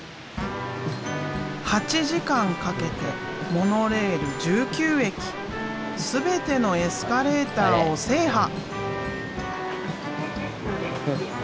８時間かけてモノレール１９駅全てのエスカレーターを制覇！